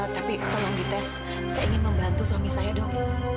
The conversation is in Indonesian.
tapi tolong dites saya ingin membantu suami saya dok